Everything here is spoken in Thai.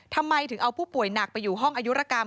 ทำไมถึงเอาผู้ป่วยหนักไปอยู่ห้องอายุรกรรม